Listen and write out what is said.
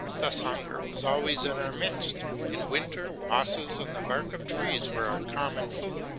Thus hunger was always in our midst. In winter, mosses and the bark of trees were our common food.